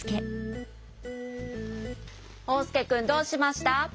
おうすけくんどうしました？